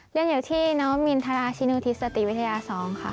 เรียนอยู่ที่น้องมินทราชินูทิศสติวิทยา๒ค่ะ